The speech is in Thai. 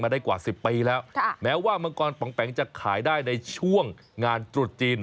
ได้กว่า๑๐ปีแล้วแม้ว่ามังกรปองแป๋งจะขายได้ในช่วงงานตรุษจีน